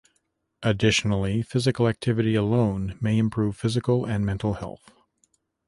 Additionally, physical activity alone may improve physical and mental health.